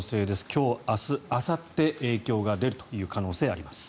今日明日あさって、影響が出るという可能性があります。